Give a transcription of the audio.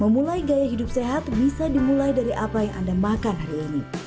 memulai gaya hidup sehat bisa dimulai dari apa yang anda makan hari ini